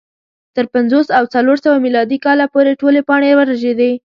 تر پنځوس او څلور سوه میلادي کاله پورې ټولې پاڼې ورژېدې